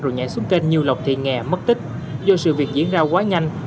rồi nhảy xuống kênh du lọc thị nghe mất tích do sự việc diễn ra quá nhanh